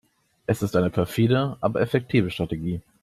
Es ist eine perfide, aber effektive Strategie.